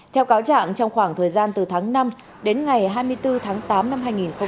theo cáo trạng trong khoảng thời gian từ tháng năm đến ngày hai mươi bốn tháng tám năm hai nghìn hai mươi